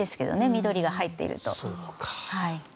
緑が入っていると。